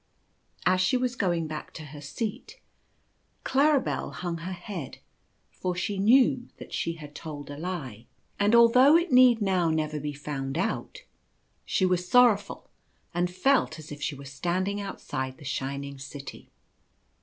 As she was going back to her seat, Claribel hung her head, for she knew that she had told a lie, and although s 130 Conscience. it need now never be found out, she was sorrowful, and felt as if she were standing outside the shining City.